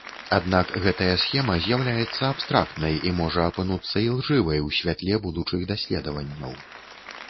Аднак гэтая схема з'яўляецца абстрактнай і можа апынуцца ілжывай ў святле будучых даследаванняў.